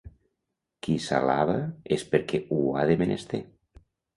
Qui s'alaba és perquè ho ha de menester.